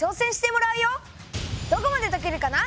どこまでとけるかな？